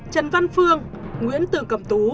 trần văn phương nguyễn tường cầm tú